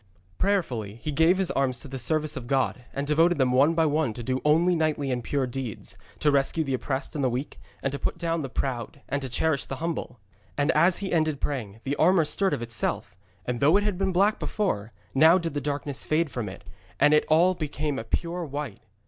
Prayerfully he gave his arms to the service of God, and devoted them one by one to do only knightly and pure deeds, to rescue the oppressed and the weak, to put down the proud, and to cherish the humble. And as he ended praying, the armour stirred of itself, and though it had been black before, now did the darkness fade from it, and it all became a pure white.